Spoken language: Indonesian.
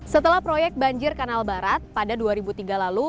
setelah proyek banjir kanal barat pada dua ribu tiga lalu